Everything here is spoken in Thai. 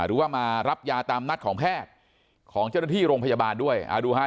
หรือว่ามารับยาตามนัดของแพทย์ของเจ้าหน้าที่โรงพยาบาลด้วยอ่าดูฮะ